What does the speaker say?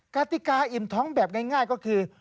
กติกาอิ่มท้องแบบง่ายก็คือ